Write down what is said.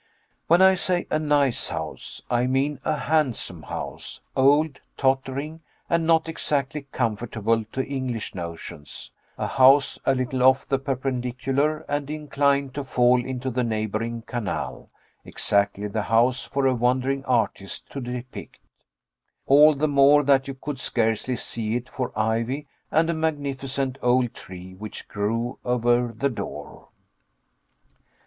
When I say a nice house, I mean a handsome house old, tottering, and not exactly comfortable to English notions: a house a little off the perpendicular and inclined to fall into the neighboring canal; exactly the house for a wandering artist to depict; all the more that you could scarcely see it for ivy and a magnificent old tree which grew over the door.